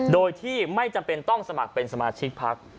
โดยที่ไม่จำเป็นต้องสมัครเป็นสมาชิกพัก